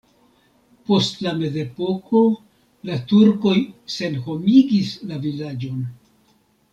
Post la mezepoko la turkoj senhomigis la vilaĝon.